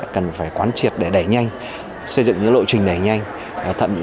cần phải quán triệt để đẩy nhanh xây dựng những lộ trình đẩy nhanh